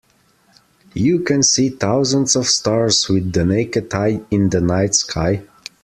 You can see thousands of stars with the naked eye in the night sky?